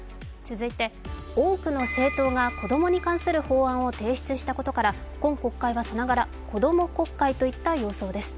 多くの政党が子供に関する法案を提出したことから今国会はさながら子供国会といった様相です。